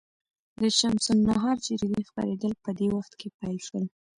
د شمس النهار جریدې خپرېدل په دې وخت کې پیل شول.